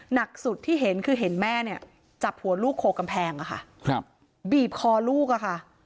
หนักสุดที่เห็นคือเห็นแม่เนี่ยจับหัวลูกโคกำแพงอะค่ะครับบีบคอลูกอะค่ะ